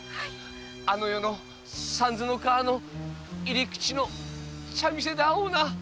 あの世の三途の川の入口の茶店で会おうな！